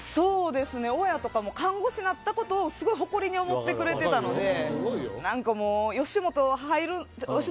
親とかも看護師になったことをすごく誇りに思ってくれていたので吉本、入るって。